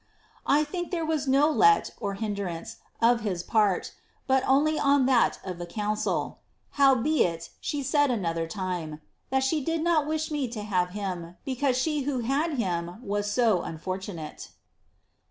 * I thought there was no let (hindrance) of his part, but only on that of the oounciL Howbeit, she said another time, * that she did not wish me to have him, because she who had him was so unfor tunate.